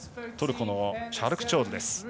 トルコのチャルクチョールです。